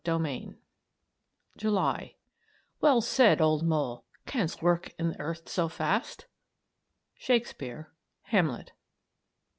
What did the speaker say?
] CHAPTER VII (JULY) Well said, old mole! Canst work i' the earth so fast? _Shakespere: "Hamlet."